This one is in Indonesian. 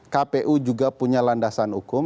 kpu juga punya landasan hukum